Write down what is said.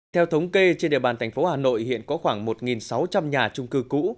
theo thống kê trên địa bàn thành phố hà nội hiện có khoảng một sáu trăm linh nhà trung cư cũ